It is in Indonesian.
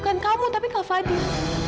bukan kamu tapi kak fadil